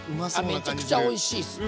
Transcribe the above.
めちゃくちゃおいしいっす。